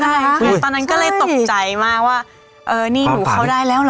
ใช่ค่ะตอนนั้นก็เลยตกใจมากว่าเออนี่หนูเข้าได้แล้วเหรอ